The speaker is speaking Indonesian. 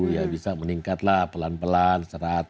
ya bisa meningkat lah pelan pelan